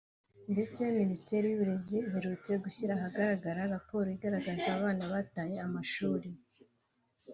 ndetse Minisiteri y’uburezi iherutse gushyira ahagaragara raporo igaragaza abana bataye amashuri